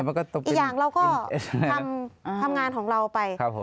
อีกอย่างเราก็ทำงานของเราไป